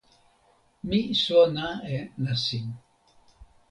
mi sona e nasin.